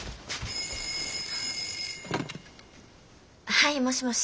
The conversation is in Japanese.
☎はいもしもし。